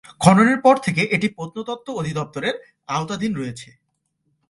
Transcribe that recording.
খননের পর থেকে এটি প্রত্নতত্ত্ব অধিদপ্তরের আওতাধীন রয়েছে।